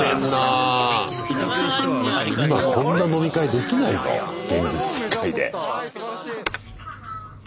今こんな飲み会できないぞ現実世界で。